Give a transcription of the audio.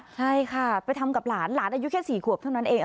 ใช่ค่ะไปทำกับหลานหลานอายุแค่๔ขวบเท่านั้นเอง